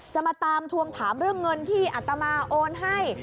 จะมาตามทวงถามเรื่องเงินที่อัตมาโอนให้